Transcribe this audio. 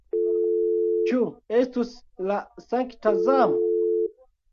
Ĉu estus la sankta Zam?